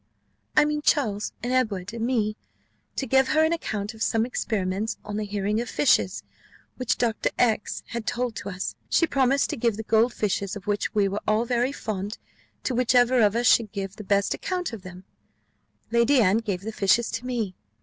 "I mean Charles, and Edward, and me, to give her an account of some experiments, on the hearing of fishes, which Dr. X had told to us: she promised to give the gold fishes, of which we were all very fond, to whichever of us should give the best account of them Lady Anne gave the fishes to me."